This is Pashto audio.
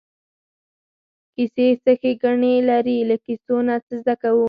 کیسې څه ښېګڼې لري له کیسو نه څه زده کوو.